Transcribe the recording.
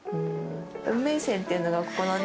運命線っていうのがここのね